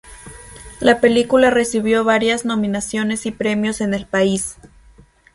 La película recibió varias nominaciones y premios en el país.